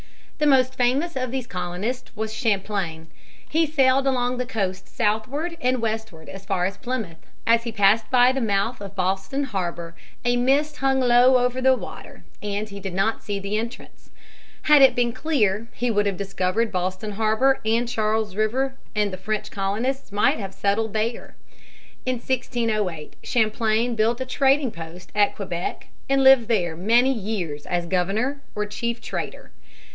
The most famous of these colonists was Champlain. He sailed along the coast southward and westward as far as Plymouth. As he passed by the mouth of Boston harbor, a mist hung low over the water, and he did not see the entrance. Had it been clear he would have discovered Boston harbor and Charles River, and French colonists might have settled there. In 1608 Champlain built a trading post at Quebec and lived there for many years as governor or chief trader.